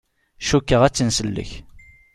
Cukkeɣ ad tt-nsellek.